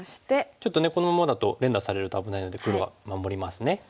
ちょっとねこのままだと連打されると危ないので黒は守りますね。